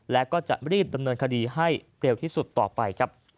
และก็จะรีบดำเนินคดีให้เร็วที่สุดต่อไปครับ